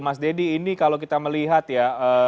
mas deddy ini kalau kita melihat ya